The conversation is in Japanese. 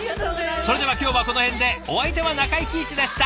それでは今日はこの辺でお相手は中井貴一でした。